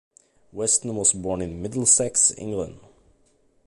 Weston was born in Middlesex, England.